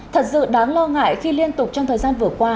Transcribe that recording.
thật sự đáng lo ngại khi liên tục trong thời gian vừa qua